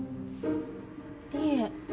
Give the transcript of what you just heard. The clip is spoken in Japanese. いえ。